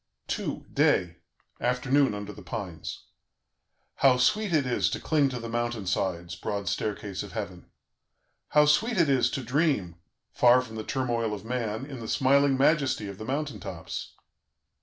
"II. DAY (Afternoon, under the pines) "How sweet it is to cling to the mountain sides, broad staircase of heaven! "How sweet it is to dream, far from the turmoil of man, in the smiling majesty of the mountain tops!